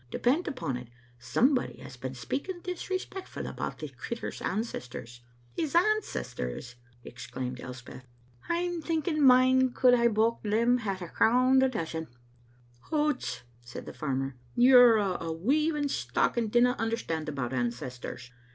Depend upon it, somebody has been speaking disrespectful about the crittur's ancestors." "His ancestors!" exclaimed Elspeth, scornfully. I*m thinking mine could hae bocht them at a crown the dozen." "Hoots," said the farmer, "you're o' a weaving stock, and dinna understand about ancestors.